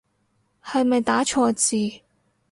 係咪打錯字